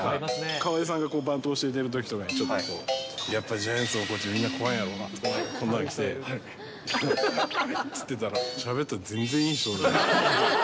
川相さんがバント教えてるときとかに、ちょっとこう、やっぱりジャイアンツのコーチみんな怖いんだろうなみたいな、はい、はいって言ってたら、しゃべったら全然いい人だった。